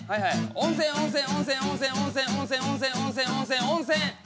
温泉温泉温泉温泉温泉温泉温泉温泉温泉温泉。